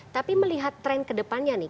tapi melihat tren kedepannya nih